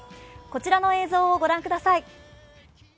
こちらの映像を御覧ください。